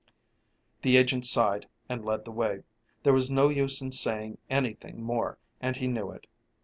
The agent sighed and led the way. There was no use in saying anything more and he knew it.